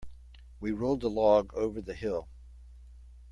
We rolled the log over the hill.